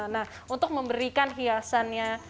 nah untuk memberikan hiasannya